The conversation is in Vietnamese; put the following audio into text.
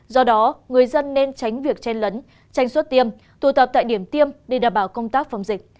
do đó người dân nên tránh việc chen lấn tranh suốt tiêm tụ tập tại điểm tiêm để đảm bảo công tác phòng dịch